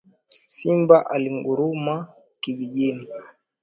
Simba alinguruma kijijini